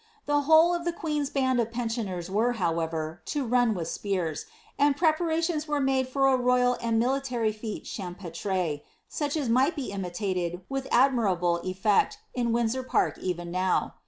The whole of the queen^s band of pensioners were, however, to run with spears, and preparations were made for a royal and military fete champ^tre, such as might be imitated, with arimirabJe effect, in Windsor park even now.